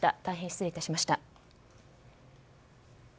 大変失礼致しました。